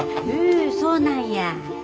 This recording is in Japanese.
へえそうなんや。